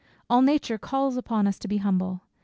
All nature calls upon us to be humble.